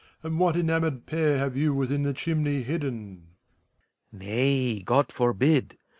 And what enamored pair Have you within the chimney hidden? WAGNER. Nay, God forbid